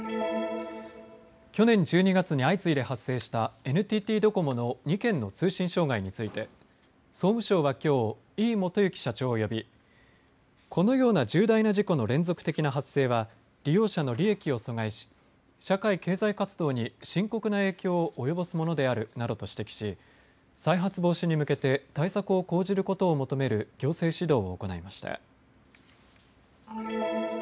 去年１２月に相次いで発生したＮＴＴドコモの２件の通信障害について総務省はきょう井伊基之社長を呼びこのような重大な事故の連続的な発生は利用者の利益を阻害し社会・経済活動に深刻な影響を及ぼすものであるなどと指摘し再発防止に向けて対策を講じることを求める行政指導を行いました。